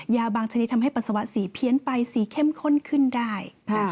ยาบางชนิดทำให้ปัสสาวะสีเพี้ยนไปสีเข้มข้นขึ้นได้